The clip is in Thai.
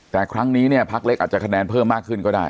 แต่ครั้งนี้เนี่ยพักเล็กอาจจะคะแนนเพิ่มมากขึ้นก็ได้